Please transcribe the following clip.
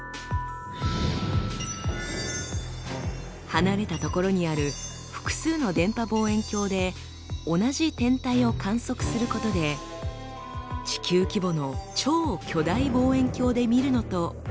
離れた所にある複数の電波望遠鏡で同じ天体を観測することで地球規模の超巨大望遠鏡で見るのと同じ性能を持たせます。